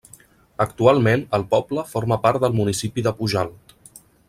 Actualment el poble forma part del municipi de Pujalt.